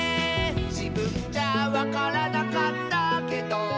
「じぶんじゃわからなかったけど」